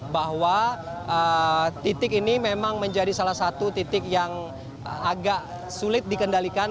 bahwa titik ini memang menjadi salah satu titik yang agak sulit dikendalikan